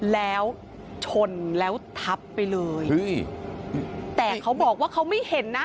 แล้วชนแล้วทับไปเลยเฮ้ยแต่เขาบอกว่าเขาไม่เห็นนะ